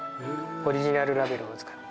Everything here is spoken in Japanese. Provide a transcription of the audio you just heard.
オリジナルラベルを使って。